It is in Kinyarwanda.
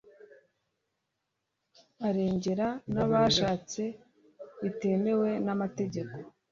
arengera n'abashatse bitemewe n'amategeko